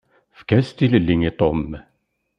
Efk-as tilelli i Tom!